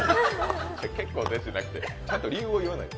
結構ですじゃなくて、ちゃんと理由を言わないと。